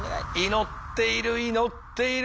祈っている祈っている。